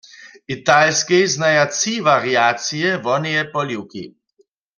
W Italskej znaja tři wariacije woneje poliwki.